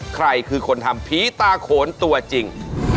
ใครคือคนทำผีตาโขนตัวจริง